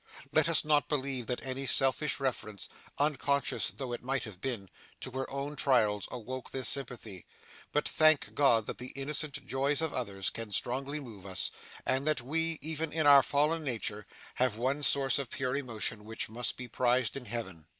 Let us not believe that any selfish reference unconscious though it might have been to her own trials awoke this sympathy, but thank God that the innocent joys of others can strongly move us, and that we, even in our fallen nature, have one source of pure emotion which must be prized in Heaven!